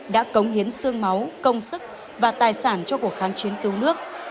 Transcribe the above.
đã cống hiến sương máu công sức và tài sản cho cuộc kháng chiến cứu nước